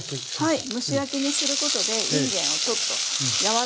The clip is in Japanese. はい。